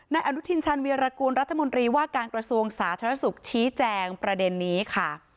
อนุทินชาญวีรกูลรัฐมนตรีว่าการกระทรวงสาธารณสุขชี้แจงประเด็นนี้ค่ะ